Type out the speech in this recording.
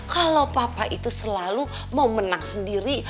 kalau papa itu selalu mau menang sendiri